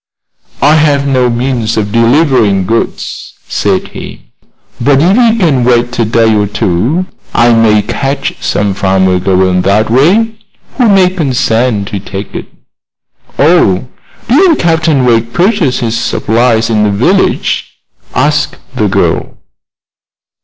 "I have no means of delivering goods," said he; "but if you can wait a day or two I may catch some farmer going that way who will consent to take it." "Oh. Didn't Captain Wegg purchase his supplies in the village?" asked the girl.